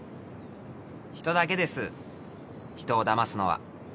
人だけです人をだますのは。